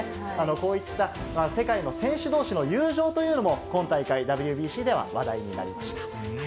こういった世界の選手どうしの友情というのも、今大会、ＷＢＣでは話題になりました。